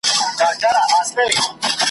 د غزلونو قصیدو ښکلي ښاغلي عطر ,